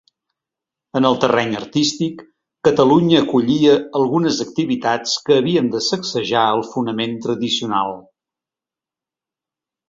En el terreny artístic, Catalunya acollia algunes activitats que havien de sacsejar el fonament tradicional.